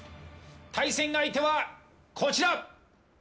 対戦相手はこちら！